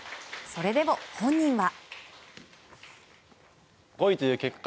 それでも本人は。